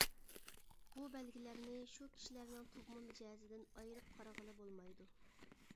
بۇ بەلگىلەرنى شۇ كىشىلەرنىڭ تۇغما مىجەزىدىن ئايرىپ قارىغىلى بولمايدۇ.